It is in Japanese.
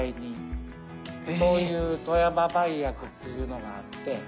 そういう富山売薬っていうのがあって。